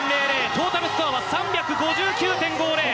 トータルスコアは３５９．５０！